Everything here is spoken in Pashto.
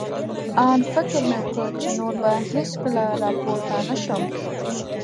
آن فکر مې وکړ، چې نور به هېڅکله را پورته نه شم.